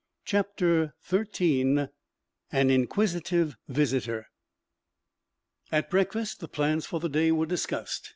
CHAPTER XIII AN INQUISITIVE VISITOR Breakfast the plans for the day were discussed.